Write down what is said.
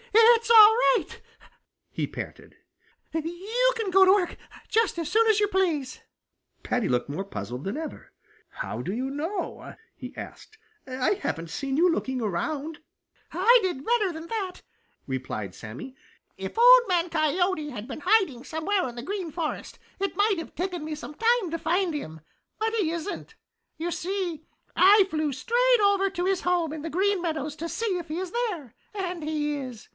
"It's all right," he panted. "You can go to work just as soon as you please." Paddy looked more puzzled than ever. "How do you know?" he asked. "I haven't seen you looking around." "I did better than that," replied Sammy. "If Old Man Coyote had been hiding somewhere in the Green Forest, it might have taken me some time to find him. But he isn't. You see, I flew straight over to his home in the Green Meadows to see if he is there, and he is.